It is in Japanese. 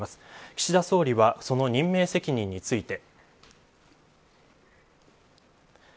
岸田総理はその任命責任について。